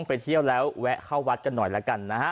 ไปเที่ยวแล้วแวะเข้าวัดกันหน่อยแล้วกันนะฮะ